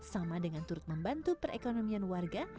sama dengan turut membantu perekonomian warga